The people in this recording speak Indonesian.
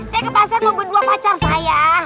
saya ke pasar mau berdua pacar saya